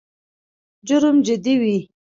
جرم جدي وي.